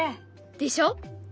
でしょ！